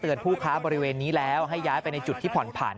ผู้ค้าบริเวณนี้แล้วให้ย้ายไปในจุดที่ผ่อนผัน